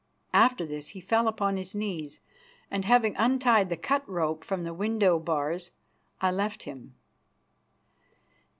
After this he fell upon his knees, and, having untied the cut rope from the window bars, I left him.